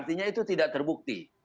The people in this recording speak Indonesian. artinya itu tidak terbukti